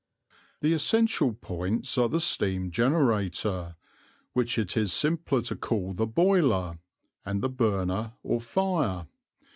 The essential points are the steam generator, which it is simpler to call the boiler, and the burner, or fire.